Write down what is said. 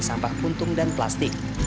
sampah puntung dan plastik